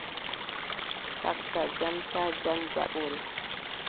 Fagga jam taa jam jaɓore.